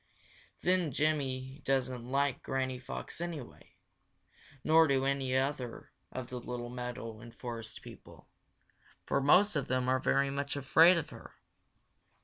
Then Jimmy doesn't like Granny Fox anyway, nor do any of the other little meadow and forest people, for most of them are very much afraid of her.